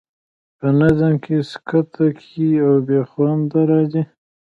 په نظم کې سکته ګي او بې خوندي راځي.